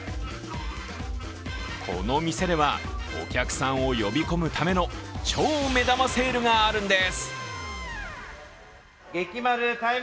この店では、お客さんを呼び込むための超目玉セールがあるんです。